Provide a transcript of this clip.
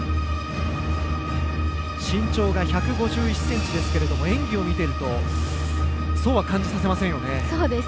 身長が１５１ｃｍですけれども演技を見ているとそうは感じさせませんよね。